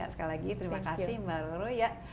sekali lagi terima kasih mbak roro ya